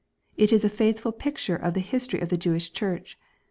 — It is a faithful picture of the history of the Jewish church.